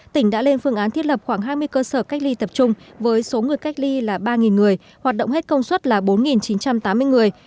tỉnh đã lên phương án thiết lập khoảng hai mươi cơ sở cách ly tập trung với số người cách ly là ba người hoạt động hết công suất là bốn chín trăm tám mươi người